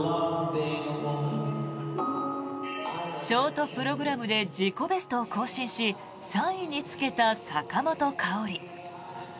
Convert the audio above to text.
ショートプログラムで自己ベストを更新し３位につけた坂本花織。